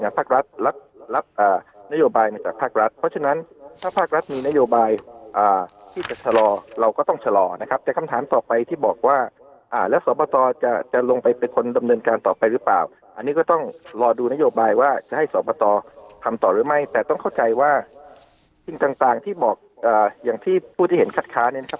ภาครัฐรับนโยบายมาจากภาครัฐเพราะฉะนั้นถ้าภาครัฐมีนโยบายที่จะชะลอเราก็ต้องชะลอนะครับแต่คำถามต่อไปที่บอกว่าแล้วสอบตจะจะลงไปเป็นคนดำเนินการต่อไปหรือเปล่าอันนี้ก็ต้องรอดูนโยบายว่าจะให้สอบตทำต่อหรือไม่แต่ต้องเข้าใจว่าสิ่งต่างที่บอกอย่างที่ผู้ที่เห็นคัดค้าเนี่ยนะครับ